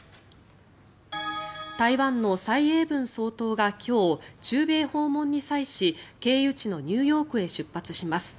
台湾の蔡英文総統が今日、中米訪問に際し経由地のニューヨークへ出発します。